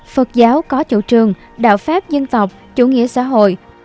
phật giáo có chủ trương đạo pháp dân tộc chủ nghĩa xã hội